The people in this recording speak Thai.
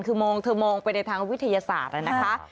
คือมองเธอมองไปในทางวิทยาศาสตร์นะคะ